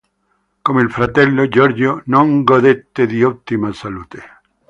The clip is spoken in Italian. Come il fratello, Giorgio non godette di ottima salute.